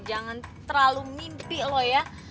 jangan terlalu mimpi loh ya